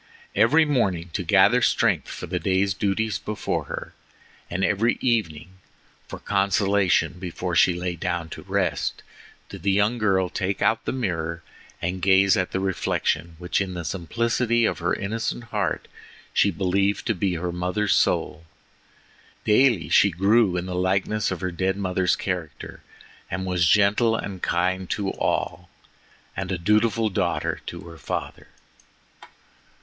Every morning, to gather strength for the day's duties before her, and every evening, for consolation before she lay down to rest, did the young girl take out the mirror and gaze at the reflection which in the simplicity of her innocent heart she believed to be her mother's soul. Daily she grew in the likeness of her dead mother's character, and was gentle and kind to all, and a dutiful daughter to her father.